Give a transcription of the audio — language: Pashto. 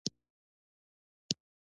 فلسفه کولای شي چې ځینې خلک ناروغه کړي.